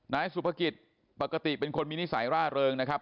นายสุภกิจปกติเป็นคนมีนิสัยร่าเริงนะครับ